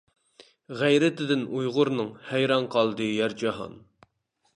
غەيرىتىدىن ئۇيغۇرنىڭ، ھەيران قالدى يەر جاھان.